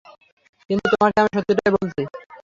কিন্তু তোমাকে আমি সত্যিটাই বলছি।